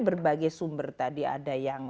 berbagai sumber tadi ada yang